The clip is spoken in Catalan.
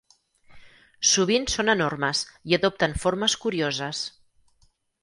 Sovint són enormes i adopten formes curioses.